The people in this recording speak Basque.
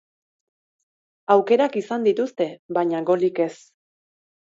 Aukerak izan dituzte, baina golik ez.